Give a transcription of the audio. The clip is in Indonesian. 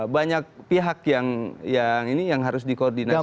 banyak pihak yang harus dikoordinasikan